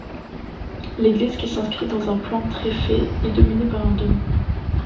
L'église, qui s'inscrit dans un plan tréflé, est dominée par un dôme.